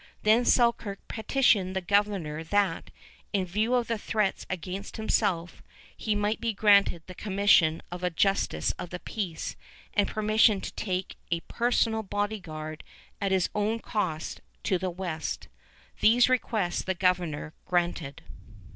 Then Selkirk petitioned the Governor that, in view of the threats against himself, he might be granted the commission of a justice of the peace and permission to take a personal bodyguard at his own cost to the west. These requests the Governor granted.